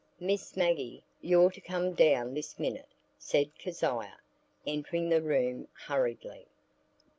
"Miss Maggie, you're to come down this minute," said Kezia, entering the room hurriedly.